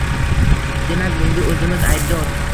Demak, bunga o`zimiz aybdor